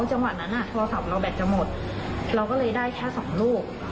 จังหวะนั้นโทรศัพท์เราแบตจะหมดเราก็เลยได้แค่๒ลูก